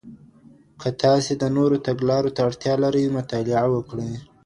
که تاسي د نورو تګلارو ته اړتيا لرئ، مطالعه وکړئ.